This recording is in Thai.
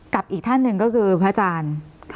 อีกท่านหนึ่งก็คือพระอาจารย์